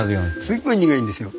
すんごい苦いんですよ。